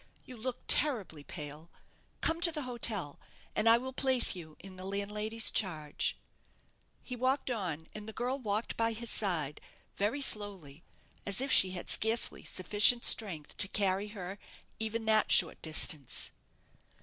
You look terribly pale. Come to the hotel, and I will place you in the landlady's charge." He walked on, and the girl walked by his side, very slowly, as if she had scarcely sufficient strength to carry her even that short distance.